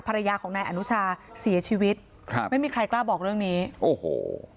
ภรรยาของนายอนุชาเสียชีวิตครับไม่มีใครกล้าบอกเรื่องนี้โอ้โห